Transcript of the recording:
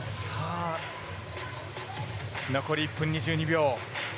残り１分２２秒。